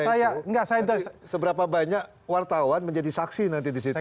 tanya seberapa banyak wartawan menjadi saksi nanti disitu